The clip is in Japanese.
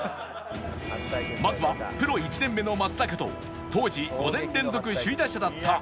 まずはプロ１年目の松坂と当時５年連続首位打者だったイチローの初対決